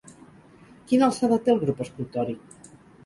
Quina alçada té el grup escultòric?